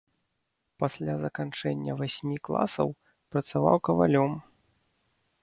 Пасля заканчэння васьмі класаў працаваў кавалём.